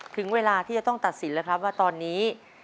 ถึงเวลาที่จะต้องตัดสินแล้วครับว่าตอนนี้